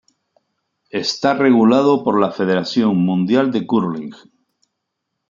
Está regulado por la Federación Mundial de Curling.